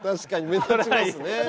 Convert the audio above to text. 目立ちますね。